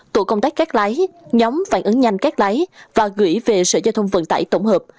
tổ công tác các lái nhóm phản ứng nhanh các lái và gửi về sở giao thông vận tải tổng hợp